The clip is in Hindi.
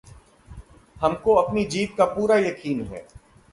हमको अपनी जीत का पूरा यकीन है।